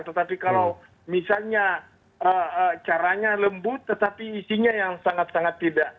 tetapi kalau misalnya caranya lembut tetapi isinya yang sangat sangat tidak